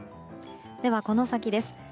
では、この先です。